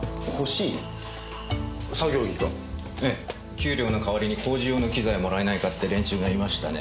給料の代わりに工事用の機材もらえないかって連中がいましたね。